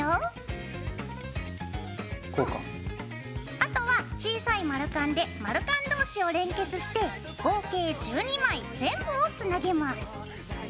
あとは小さい丸カンで丸カン同士を連結して合計１２枚全部をつなげます。